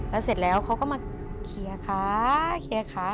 แล้วเสร็จแล้วเขาก็มาเคียร์ค้า